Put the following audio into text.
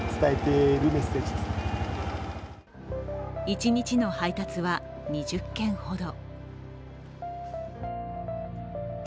一日の配達は２０件ほど。